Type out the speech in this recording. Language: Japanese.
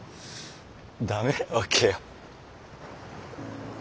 駄目なわけよ。